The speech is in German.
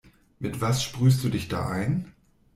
Mit was sprühst du dich da ein?